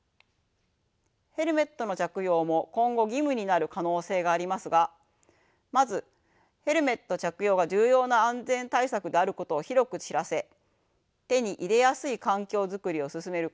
ヘルメットの着用も今後義務になる可能性がありますがまずヘルメット着用が重要な安全対策であることを広く知らせ手に入れやすい環境づくりを進める